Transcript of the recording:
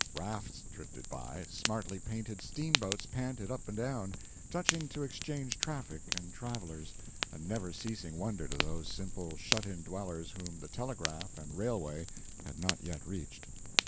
Rafts drifted by; smartly painted steamboats panted up and down, touching to exchange traffic and travelers, a never ceasing wonder to those simple shut in dwellers whom the telegraph and railway had not yet reached.